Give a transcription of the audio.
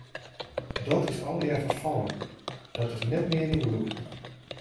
Dat is allegear ferfallen, dat is net mear yn gebrûk.